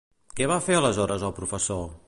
Què va fer aleshores el professor?